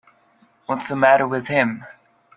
What's the matter with him.